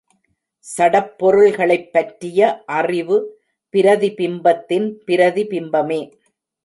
சடப்பொருள்களைப் பற்றிய அறிவு பிரதிபிம்பத்தின் பிரதிபிம்பமே.